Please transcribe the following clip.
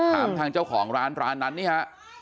ถามทางเจ้าของร้านร้านนั้นนี่ฮะ